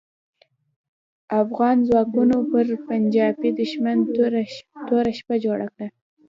افغان ځواکونو پر پنجاپي دوښمن توره شپه جوړه کړه.